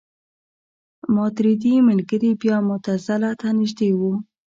ماتریدي ملګري بیا معتزله ته نژدې وو.